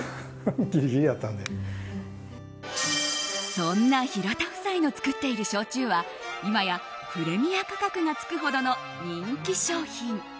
そんな平田夫妻の造っている焼酎は今やプレミア価格が付くほどの人気商品！